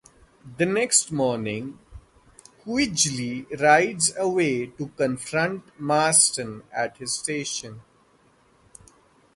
The next morning, Quigley rides away to confront Marston at his station.